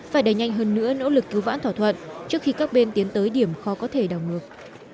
phải đẩy nhanh hơn nữa nỗ lực cứu vãn thỏa thuận trước khi các bên tiến tới điểm khó có thể đảo ngược